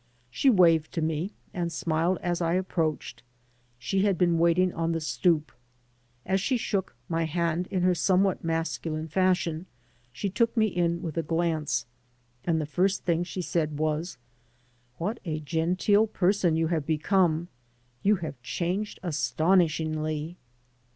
She waved to me and smiled as I approached — ^she had been waiting on the "stoop. As she shook my hand in her somewhat masculine fashion she took me in with a glance, and the first thing she said was, "What a genteel person you have become! You have changed astonishingly.